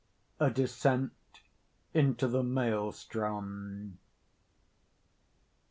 A DESCENT INTO THE MAELSTROM.